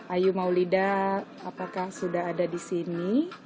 ayu maulida apakah sudah ada di sini